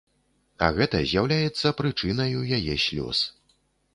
А гэта з'яўляецца прычынаю яе слёз.